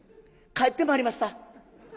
「帰ってまいりました」。